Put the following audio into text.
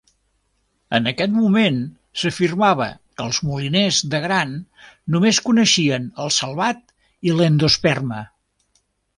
En aquest moment, s'afirmava que els moliners de gran només coneixien el salvat i l'endosperma.